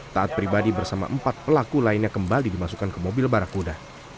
taat pribadi bersama empat pelaku lainnya kembali dimasukkan ke mobil barakuda